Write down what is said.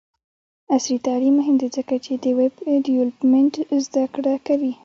عصري تعلیم مهم دی ځکه چې د ویب ډیولپمنټ زدکړه کوي.